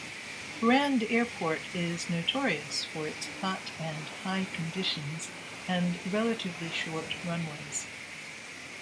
Rand Airport is notorious for its hot and high conditions and relatively short runways.